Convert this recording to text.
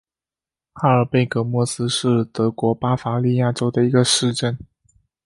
哈尔贝格莫斯是德国巴伐利亚州的一个市镇。